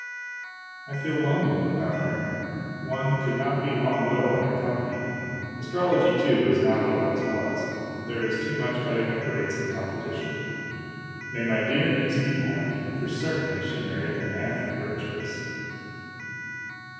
I feel lonely without her. One could not be long dull in her company. Astrology, too, is not what it once was there is too much cutting of rates and competition. May my dear niece be happy, for certainly she married the man of her choice